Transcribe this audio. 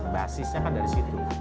basisnya kan dari situ